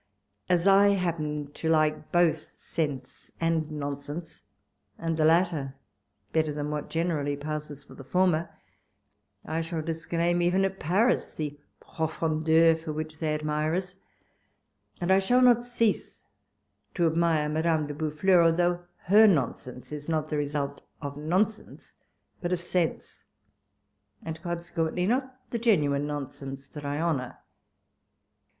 As I happen to like both sense and nonsense, and the latter better than what generally passes for the former, I shall disclaim, even at Paris, the profondeur, for which they ad mire us ; and I shall not cease to admire Madame de Boufflers, though her nonsense is not the result of nonsense, but of sense, and con sequently not the genuine nonsense that I honour.